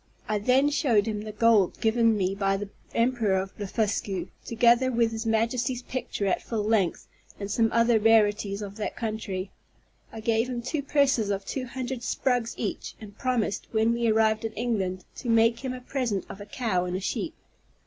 I then showed him the gold given me by the Emperor of Blefuscu, together with his Majesty's picture at full length, and some other rarities of that country. I gave him two purses of two hundred sprugs each, and promised, when we arrived in England, to make him a present of a cow and a sheep.